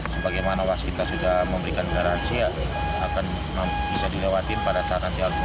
sebagaimana waskita sudah memberikan garansi akan bisa dilewati pada saat nanti al quran